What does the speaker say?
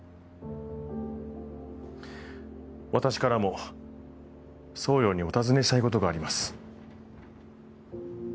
私からも総領にお尋ねしたいことがあります。